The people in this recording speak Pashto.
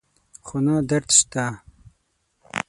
خو نه درد شته